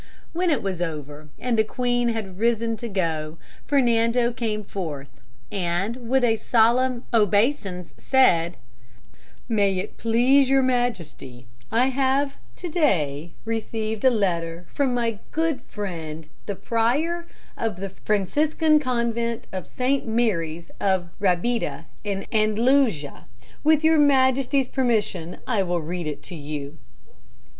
When it was over and the queen had risen to go, Fernando came forth, and with a solemn obeisance said, "May it please your Majesty, I have to day received a letter from my good friend the prior of the Franciscan convent of St. Mary's of Rabida in Andalusia. With your Majesty's permission, I will read it to you."